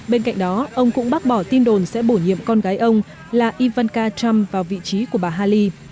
bên cạnh đó ông cũng bác bỏ tin đồn sẽ bổ nhiệm con gái ông là ivanka trump vào vị trí của bà haley